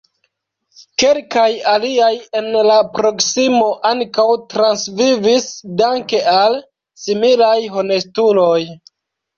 Kelkaj aliaj en la proksimo ankaŭ transvivis danke al similaj honestuloj.